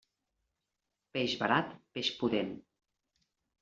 Peix barat, peix pudent.